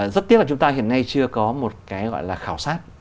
rất tiếc là chúng ta hiện nay chưa có một cái gọi là khảo sát